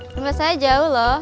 nama saya jauh loh